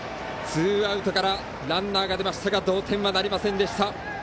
ツーアウトからランナーが出ましたが同点はなりませんでした。